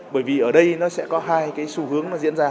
bởi vì ở đây nó sẽ có hai cái xu hướng nó diễn ra